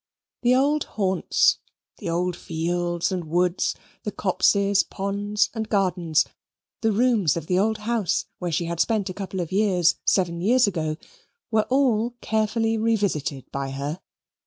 The old haunts, the old fields and woods, the copses, ponds, and gardens, the rooms of the old house where she had spent a couple of years seven years ago, were all carefully revisited by her.